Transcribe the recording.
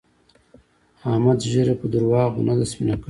احمد ږيره په درواغو نه ده سپينه کړې.